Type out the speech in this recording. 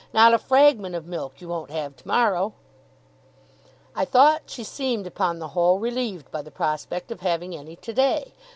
Not a fragment of milk you won't have tomorrow.' I thought she seemed, upon the whole, relieved by the prospect of having any today.